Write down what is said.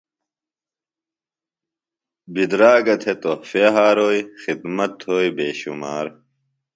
بِدراگہ تھےۡ تحفۡے ھاروئی خِدمت تھوئی بے شُمار